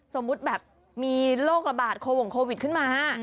สมมุติแบบมีโรคระบาดโควงโควิดขึ้นมา